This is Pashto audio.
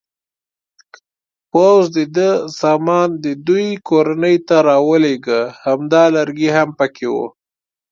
پوځ د ده سامان د دوی کورنۍ ته راولېږه، همدا لرګی هم پکې و.